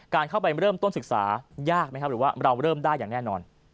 การเข้าไปเริ่มต้นศึกษายากไหมครับหรือว่าเราเริ่มได้อย่างแน่นอน